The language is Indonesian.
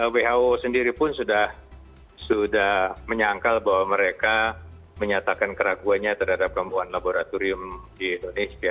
who sendiri pun sudah menyangkal bahwa mereka menyatakan keraguannya terhadap gangguan laboratorium di indonesia